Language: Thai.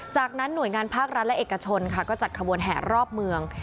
จากนั้นหน่วยงานภาครัฐและเอกชนค่ะก็จัดขบวนแห่รอบเมือง